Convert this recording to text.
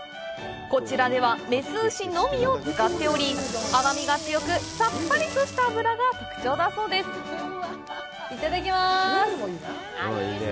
こちらでは雌牛のみを使っており甘みが強く、さっぱりとした脂が特徴だそうです。